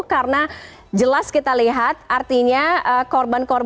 karena jelas kita lihat artinya korban korban yang sekarang